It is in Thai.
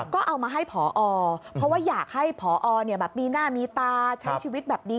ก็เอามาให้ผอเพราะว่าอยากให้ผอมีหน้ามีตาใช้ชีวิตแบบนี้